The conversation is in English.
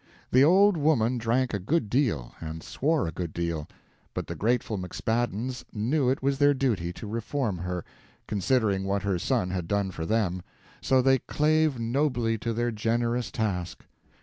The old woman drank a good deal and swore a good deal; but the grateful McSpaddens knew it was their duty to reform her, considering what her son had done for them, so they clave nobly to their generous task.